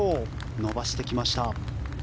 伸ばしてきました。